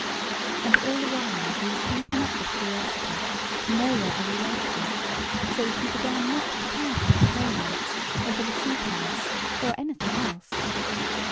And all the while he was eaten up with curiosity to know where Ellie went to; so that he began not to care for his playmates, or for the sea palace or anything else.